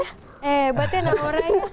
hebat ya naura ya